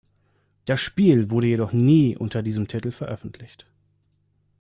Das Spiel wurde jedoch nie unter diesem Titel veröffentlicht.